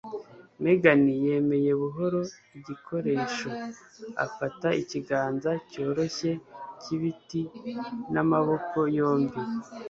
Megan yemeye buhoro igikoresho, afata ikiganza cyoroshye cyibiti n'amaboko yombi.